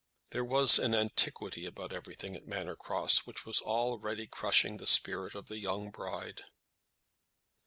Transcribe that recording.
There was an antiquity about every thing at Manor Cross, which was already crushing the spirit of the young bride.